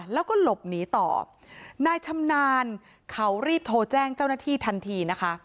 แล้วก็หลบหนีต่อนายชำนาญเขารีบโทรแจ้งเจ้าหน้าที่ทันทีนะคะ